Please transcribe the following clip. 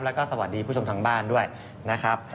แล้วก็สวัสดีผู้ชมทางบ้านด้วยนะครับ